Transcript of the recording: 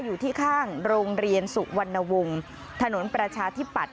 อยู่ที่ข้างโรงเรียนสุวรรณวงศ์ถนนประชาธิปัตย